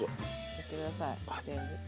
やって下さい全部。